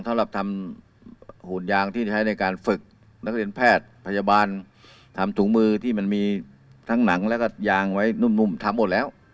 สำหรับทำหุ่นยางที่ใช้ในการฝึกนักเรียนแพทย์พยาบาลทำถุงมือที่มันมีทั้งหนังแล้วก็ยางไว้นุ่มทำหมดแล้ว